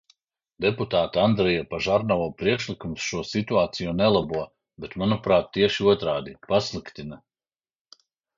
Deputāta Andreja Požarnova priekšlikums šo situāciju nelabo, bet, manuprāt, tieši otrādi, pasliktina.